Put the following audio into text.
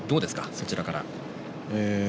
そちらから。